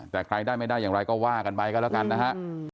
แต่ใครได้ไม่ได้อย่างไรก็ว่ากันไปกันแล้วกันนะฮะ